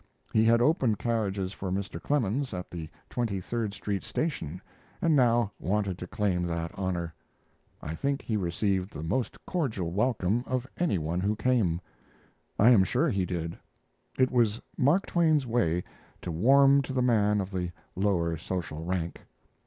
He had opened carriages for Mr. Clemens at the Twenty third Street station, and now wanted to claim that honor. I think he received the most cordial welcome of any one who came. I am sure he did. It was Mark Twain's way to warm to the man of the lower social rank.